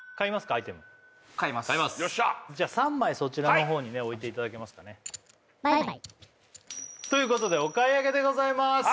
アイテム３枚そちらの方にね置いていただけますかねということでお買い上げでございます